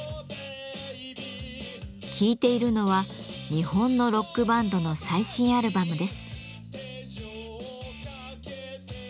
聴いているのは日本のロックバンドの最新アルバムです。